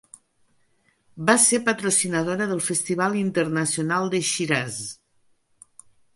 Va ser patrocinadora del festival internacional de Shiraz.